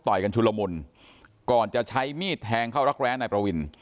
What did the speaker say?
กันชุลมุนก่อนจะใช้มีดแทงเข้ารักแร้นายประวิน